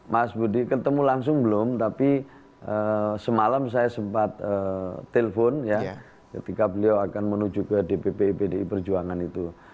mas budi ketemu langsung belum tapi semalam saya sempat telpon ya ketika beliau akan menuju ke dpp pdi perjuangan itu